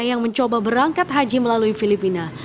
yang mencoba berangkat haji melalui filipina